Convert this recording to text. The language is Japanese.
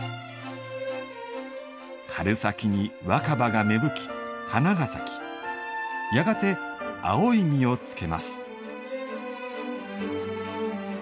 春先に若葉が芽吹き花が咲きやがて青い実をつけます。